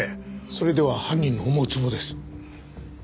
それでは犯人の思うつぼです。